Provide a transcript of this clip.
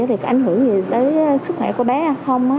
thì có ảnh hưởng gì tới sức khỏe của bé hay không